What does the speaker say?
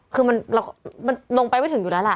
คือมันลงไปไม่ถึงอยู่แล้วล่ะ